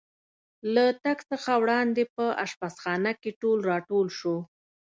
له تګ څخه وړاندې په اشپزخانه کې ټول را ټول شو.